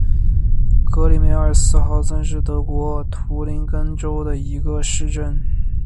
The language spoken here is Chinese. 格里梅尔斯豪森是德国图林根州的一个市镇。